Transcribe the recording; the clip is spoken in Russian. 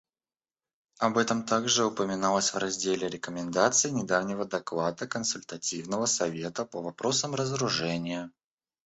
Об этом также упоминалось в разделе рекомендаций недавнего доклада Консультативного совета по вопросам разоружения.